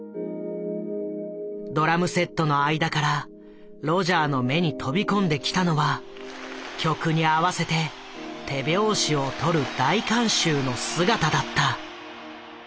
ドラムセットの間からロジャーの目に飛び込んできたのは曲に合わせて手拍子を取る大観衆の姿だった。